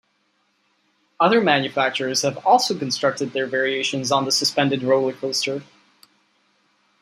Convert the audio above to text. Other manufacturers have also constructed their variations on the suspended roller coaster.